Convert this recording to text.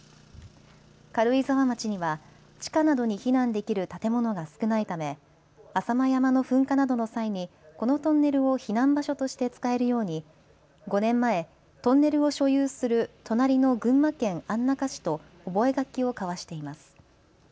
軽井沢町には地下などに避難できる建物が少ないため浅間山の噴火などの際にこのトンネルを避難場所として使えるように５年前、トンネルを所有する隣の群馬県安中市と覚書を交わしています。